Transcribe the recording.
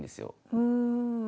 うん。